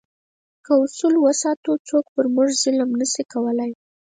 که اصول وساتو، څوک پر موږ ظلم نه شي کولای.